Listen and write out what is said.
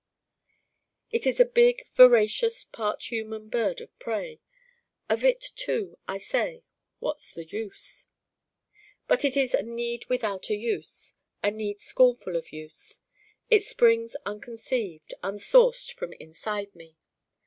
It is a big voracious part human bird of prey. Of it too I say what's the use. But it is a need without a use, a need scornful of use. It springs unconceived, unsourced from inside me.